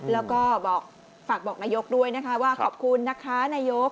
แล้วก็บอกฝากบอกนายกด้วยนะคะว่าขอบคุณนะคะนายก